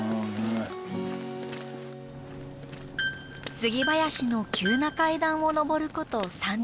杉林の急な階段を登ること３０分。